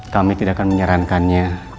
kami tidak akan menyarankannya